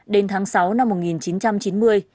đến tháng sáu năm một nghìn chín trăm chín mươi